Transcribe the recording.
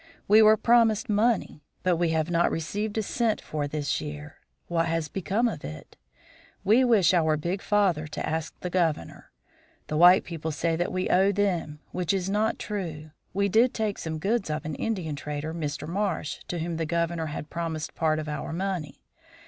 We were promised money, but we have not received a cent for this year. What has become of it? We wish our big father to ask the Governor. The white people say that we owe them, which is not true. We did take some goods of an Indian trader, Mr. Marsh, to whom the Governor had promised part of our money.